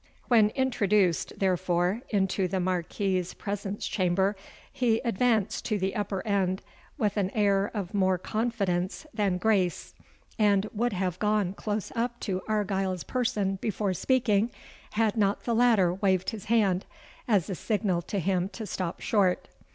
When introduced, therefore, into the Marquis's presence chamber, he advanced to the upper end with an air of more confidence than grace, and would have gone close up to Argyle's person before speaking, had not the latter waved his hand, as a signal to him to stop short.